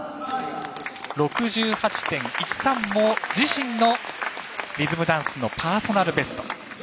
６８．１３も自身のリズムダンスのパーソナルベスト。